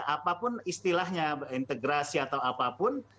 apapun istilahnya integrasi atau apapun